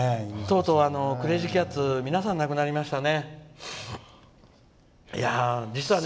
とうとう、クレージーキャッツ皆さん亡くなりましたね。